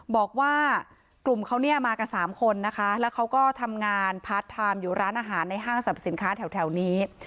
บอกว่ากลุ่มเขาเนี่ยมากับสามคนนะคะแล้วเขาก็ทำงานพาร์ทไทม์อยู่ร้านอาหารในห้างสรรพสินค้าแถวนี้